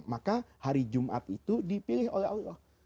maka hari jumat itu dipilih oleh allah